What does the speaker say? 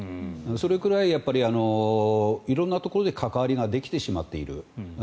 それくらい色んなところで関わりができてしまっている。